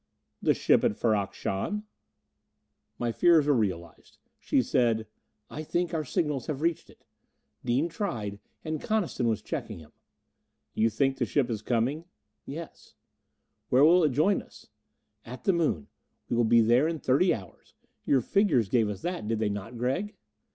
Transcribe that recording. "The ship at Ferrok Shahn "My fears were realized. She said, "I think our signals reached it. Dean tried, and Coniston was checking him." "You think the ship is coming?" "Yes." "Where will it join us?" "At the Moon. We will be there in thirty hours. Your figures gave that, did they not, Gregg?"